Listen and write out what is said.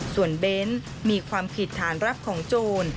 ส่วนเบ้นมีความผิดฐานรับของโจร